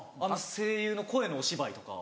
声優の声のお芝居とか。